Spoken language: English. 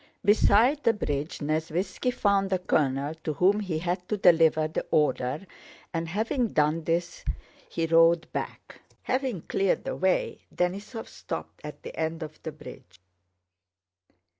Beside the bridge Nesvítski found the colonel to whom he had to deliver the order, and having done this he rode back. Having cleared the way Denísov stopped at the end of the bridge.